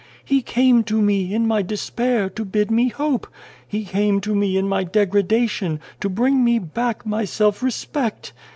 He came to me, in my despair, to bid me hope ; He came to me in my degra dation, to bring me back my self respect.